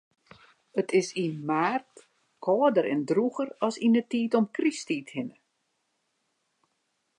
It is yn maart kâlder en drûger as yn 'e tiid om Krysttiid hinne.